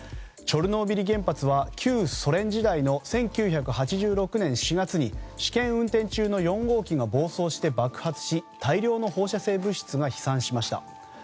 チョルノービリ原発は旧ソ連時代の１９８６年４月に試験運転中の４号機が暴走して爆発し大量の放射性物質が飛散しました。